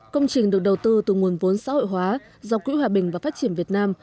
công trình được đầu tư từ nguồn vốn xã hội hóa do quỹ hòa bình và phát triển việt nam